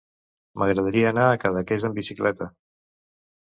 M'agradaria anar a Cadaqués amb bicicleta.